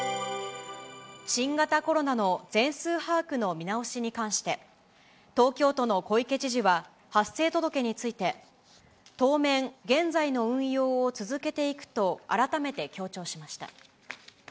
新型コロナの全数把握の見直しに関して、東京都の小池知事は、発生届について、当面、現在の運用を続けていくと改めて強調しました。